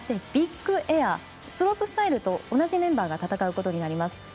ビッグエア、スロープスタイルと同じメンバーが戦うことになります。